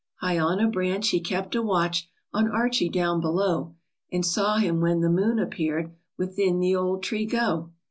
High on a branch he kept a watch On Archie down below And saw him when the moon appear'd Within the old tree go.